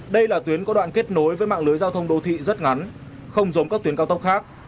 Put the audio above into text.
đây là tuyến có đoạn kết nối với mạng lưới giao thông đô thị rất ngắn không giống các tuyến cao tốc khác